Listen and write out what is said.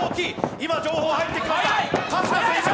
今、情報入ってきました。